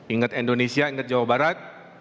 inget indonesia inget jawa barat